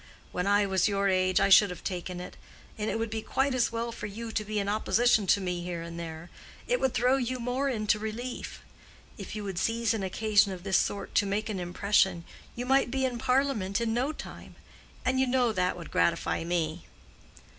When I was your age, I should have taken it. And it would be quite as well for you to be in opposition to me here and there. It would throw you more into relief. If you would seize an occasion of this sort to make an impression, you might be in Parliament in no time. And you know that would gratify me."